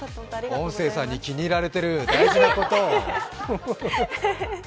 音声に気に入られてる大事なこと！